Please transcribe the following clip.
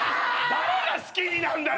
誰が好きになんだよ。